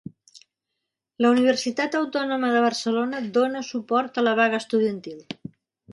La Universitat Autònoma de Barcelona dona suport a la vaga estudiantil.